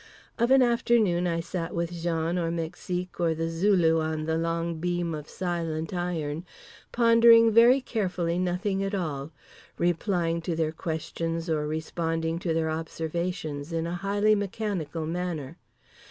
Of an afternoon I sat with Jean or Mexique or The Zulu on the long beam of silent iron, pondering very carefully nothing at all, replying to their questions or responding to their observations in a highly mechanical manner.